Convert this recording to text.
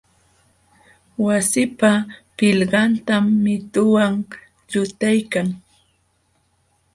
Wasipa pilqantam mituwan llutaykan.